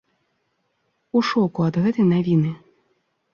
У шоку ад гэтай навіны.